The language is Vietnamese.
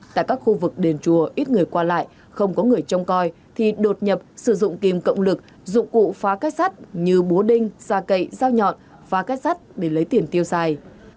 tại các khu vực đền chùa ít người qua lại không có người trong coi thì đột nhập sử dụng kiềm cộng lực dụng cụ phá kết sát như búa đinh xa cậy dao nhọn phá kết sát để lấy tiền tiêu xài